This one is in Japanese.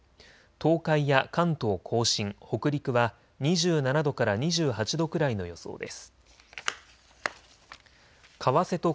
東海や関東甲信、北陸は２７度から２８度くらいの予想です。